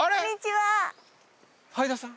はいださん。